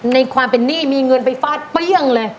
ในความเป็นหนี้มีเงินไปฟาดเปรี้ยงเลย